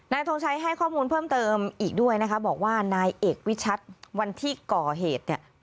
ทงชัยให้ข้อมูลเพิ่มเติมอีกด้วยนะคะบอกว่านายเอกวิชัดวันที่ก่อเหตุเนี่ย